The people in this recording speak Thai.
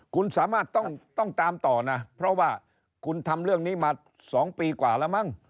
คุณสามารถต้องตามต่อนะเพราะว่าคุณทำเรื่องนี้มา๒ปีกว่าแล้วมั้ง